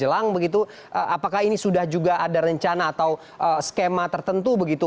jelang begitu apakah ini sudah juga ada rencana atau skema tertentu begitu